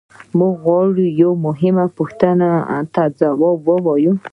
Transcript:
موږ غواړو یوې مهمې پوښتنې ته ځواب ووایو.